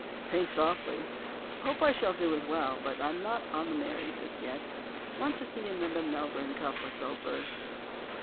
"Thanks, awfully! Hope I shall do as well—but I'm not 'on the marry' just yet. Want to see another Melbourne Cup or so first."